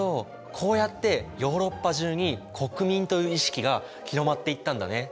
こうやってヨーロッパ中に国民という意識が広まっていったんだね。